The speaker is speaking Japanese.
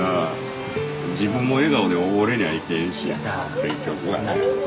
自分も笑顔でおれにゃいけんし結局はな。